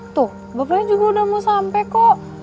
tuh bapaknya juga udah mau sampai kok